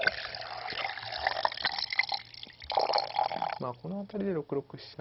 まあこの辺りで６六飛車